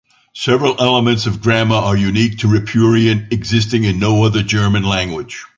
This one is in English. Several elements of grammar are unique to Ripuarian, existing in no other German language.